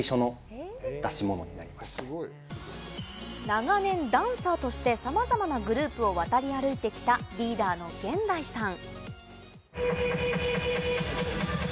長年ダンサーとしてさまざまなグループを渡り歩いてきたリーダーのＧＥＮＤＡＩさん。